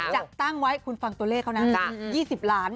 จะตั้งไว้คุณฟังตัวเลขเขานะ๒๐ล้าน